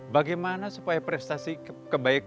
bagaimana supaya prestasi kebaikan amal kita itu